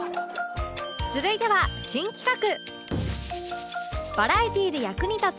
続いては新企画